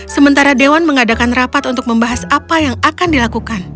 sementara dewan mengadakan rapat untuk membahas apa yang akan dilakukan